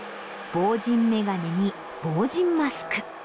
防塵眼鏡に防塵マスク。